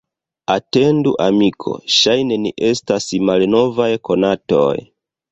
Atendu, amiko, ŝajne ni estas malnovaj konatoj!